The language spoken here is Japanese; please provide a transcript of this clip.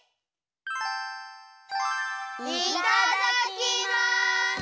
いただきます！